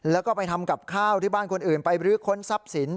แล้วก็ไปทำกับข้าวที่บ้านคนอื่นไปบรื้อค้นทรัพย์สิน